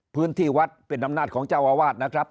พื้นที่วัดเป็นอำนาจของเจ้าอาวาสนะครับ